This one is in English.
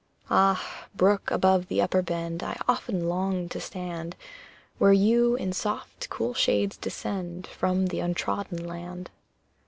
Ah, brook above the upper bend, I often long to stand Where you in soft, cool shades descend From the untrodden land!